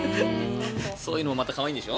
そういうのもまた可愛いんでしょ？